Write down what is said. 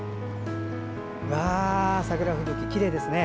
桜吹雪、きれいですね。